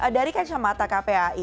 dari kacamata kpai